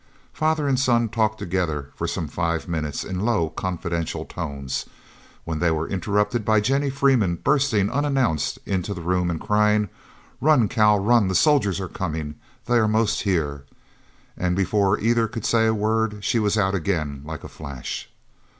Father and son talked together for some five minutes in low, confidential tones, when they were interrupted by Jennie Freeman bursting unannounced into the room and crying, "Run, Cal, run! the soldiers are coming! They are most here!" And before either could say a word, she was out again like a flash.